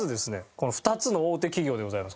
この２つの大手企業でございます。